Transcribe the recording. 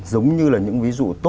giống như là những ví dụ tốt